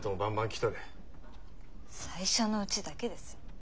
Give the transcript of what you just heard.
最初のうちだけです。